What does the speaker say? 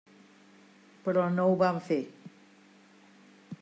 Però no ho van fer.